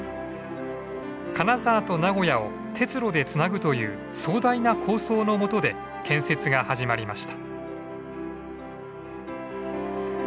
金沢と名古屋を鉄路でつなぐという壮大な構想のもとで建設が始まりました。